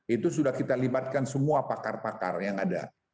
itu sudah kita libatkan semua pakar pakar yang ada